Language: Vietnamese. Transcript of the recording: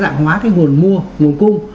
đa dạng hóa cái nguồn mua nguồn cung